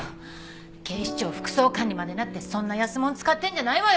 警視庁副総監にまでなってそんな安物使ってるんじゃないわよ！